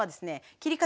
切り方